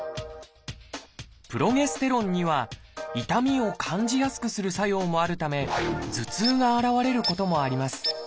プロゲステロンには痛みを感じやすくする作用もあるため頭痛が現れることもあります。